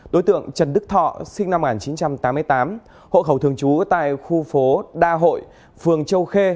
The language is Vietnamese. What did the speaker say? đối tượng trần đức thọ sinh năm một nghìn chín trăm tám mươi tám hộ khẩu thường trú tại khu phố đa hội phường châu khê